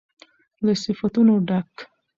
له صفتونو ډک